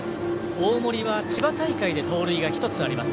大森は千葉大会で盗塁が１つあります。